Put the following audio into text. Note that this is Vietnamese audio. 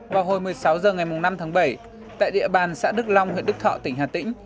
vào hồi một mươi sáu h ngày năm tháng bảy tại địa bàn xã đức long huyện đức thọ tỉnh hà tĩnh